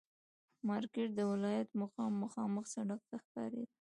مارکېټ د ولایت مقام مخامخ سړک ته ښکارېده.